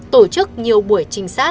tổ chức nhiều buổi trinh sát